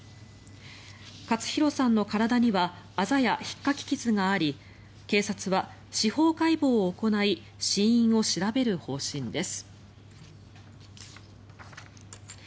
勝弘さんの体にはあざやひっかき傷があり警察は、司法解剖を行い死因を調べる方針です。